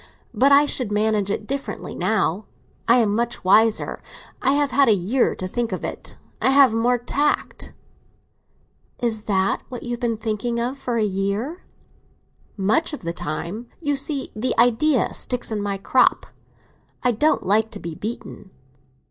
But I should manage it differently now. I am much wiser; I have had a year to think of it. I have more tact." "Is that what you have been thinking of for a year?" "Much of the time. You see, the idea sticks in my crop. I don't like to be beaten."